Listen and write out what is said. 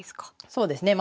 そうですね。